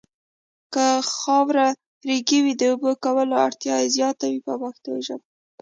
که خاوره ریګي وي د اوبو کولو اړتیا یې زیاته وي په پښتو ژبه.